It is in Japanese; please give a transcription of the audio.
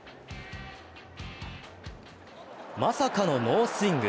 まさかのノースイング。